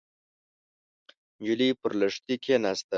نجلۍ پر لښتي کېناسته.